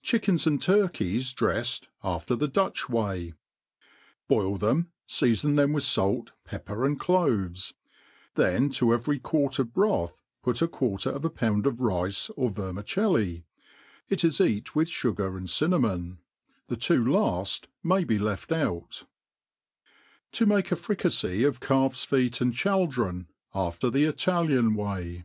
Chickens and TurMes dre^fd after tie Butch Wayf. BOIL them, feafon them with fait, pepper, and cloye^j then to every quart of broth p^t 4 quarter of a pound of rice or vermicelli : it is eat with iijgar and cinnaoiion* The two laift may be left oiitv 7« make a Fricajit tf Cdw* Fttt md. Cbalirm^ qfi^r th liuium Way.